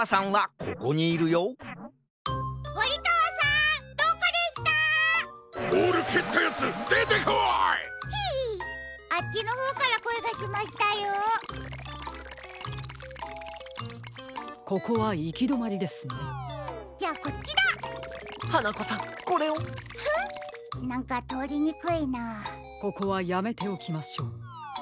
ここはやめておきましょう。